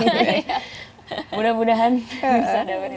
mudah mudahan bisa dapat internasional